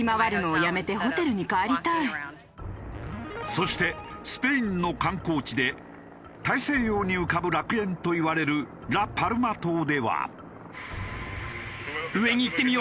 そしてスペインの観光地で「大西洋に浮かぶ楽園」といわれるラ・パルマ島では。